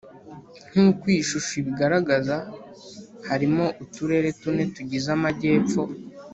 Nk uko iyi shusho ibigaragaza harimo uturere tune tugize amajyepfo